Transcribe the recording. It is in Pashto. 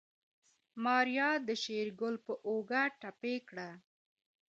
ماريا د شېرګل په اوږه ټپي کړه.